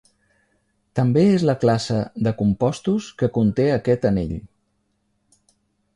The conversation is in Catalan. També és la classe de compostos que conté aquest anell.